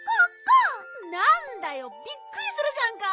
なんだよびっくりするじゃんか！